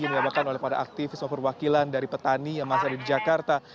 yang dilakukan oleh para aktivis atau perwakilan dari petani yang masih ada di jakarta